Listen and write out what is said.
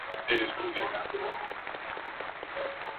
El sencillo fue lanzado como el segundo del mismo álbum.